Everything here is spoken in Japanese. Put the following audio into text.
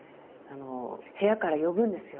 部屋から呼ぶんですよ